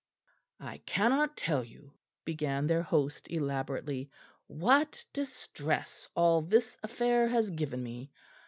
"I cannot tell you," began their host elaborately, "what distress all this affair has given me.